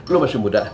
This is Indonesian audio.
lo masih muda